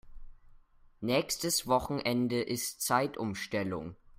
Nächstes Wochenende ist Zeitumstellung.